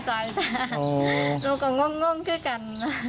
เราก็งงแก่กัน